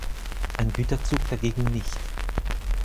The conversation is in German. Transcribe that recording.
Ein Güterzug dagegen nicht.